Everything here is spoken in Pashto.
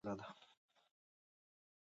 مېلې د نوو مفکورو او نظریاتو خپرولو وسیله ده.